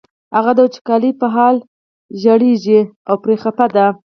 هغه د وچکالۍ په حال ژړېږي او پرې خپه دی.